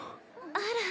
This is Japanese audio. あら。